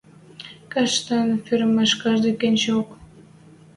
Каштын фермыш каждый кечӹньок.